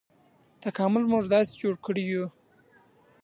تکامل موږ داسې جوړ کړي یوو.